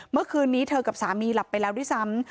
เธอกับสามีหลับไปแล้วด้วยซ้ำ